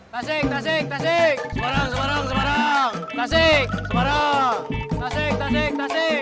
terima kasih terima kasih